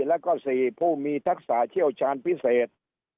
แล้วก็๔ผู้มีทักษะเชี่ยวชาญพิเศษ